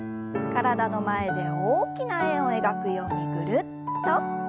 体の前で大きな円を描くようにぐるっと。